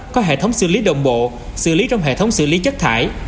có hệ thống xử lý đồng bộ xử lý trong hệ thống xử lý chất thải